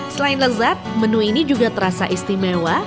selain lezat menu ini juga terasa istimewa